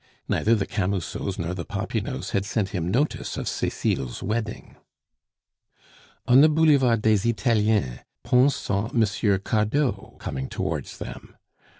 Neither the Camusots nor the Popinots had sent him notice of Cecile's wedding. On the Boulevard des Italiens Pons saw M. Cardot coming towards them.